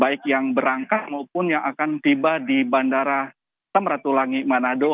baik yang berangkat maupun yang akan tiba di bandara tamratulangi manado